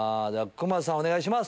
クマさんお願いします。